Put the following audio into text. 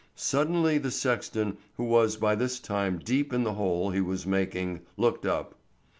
Suddenly the sexton, who was by this time deep in the hole he was making, looked up.